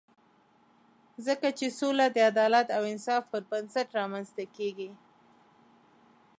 ځکه چې سوله د عدالت او انصاف پر بنسټ رامنځته کېږي.